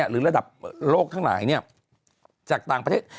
หรือระดับโลกทั้งหลายจากต่างประเทศ